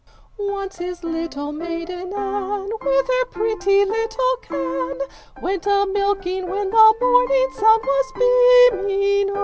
3 Once his little maiden, Ann, With her pretty little can, Went a milking when the morning sun was beaming O!